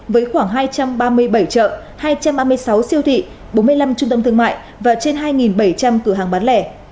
với khoảng hai trăm ba mươi bảy chợ hai trăm ba mươi sáu siêu thị bốn mươi năm trung tâm thương mại và trên hai bảy trăm linh cửa hàng bán lẻ